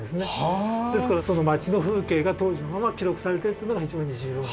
ですからその街の風景が当時のまま記録されてるというのが非常に重要。